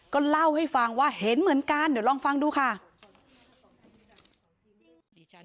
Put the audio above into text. ก็เล่าให้ฟังว่าเห็นเหมือนกันเดี๋ยวลองฟังดูค่ะ